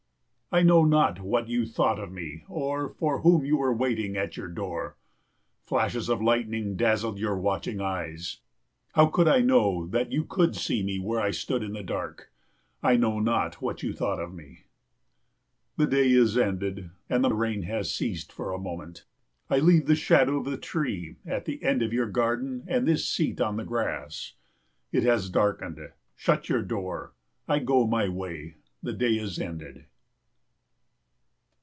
I know not what you thought of me or for whom you were waiting at your door. Flashes of lightning dazzled your watching eyes. How could I know that you could see me where I stood in the dark? I know not what you thought of me. The day is ended, and the rain has ceased for a moment. I leave the shadow of the tree at the end of your garden and this seat on the grass. It has darkened; shut your door; I go my way. The day is ended.